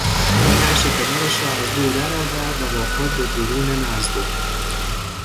او نعش پدرش را از گور درآورد و با خود به برون مرز برد.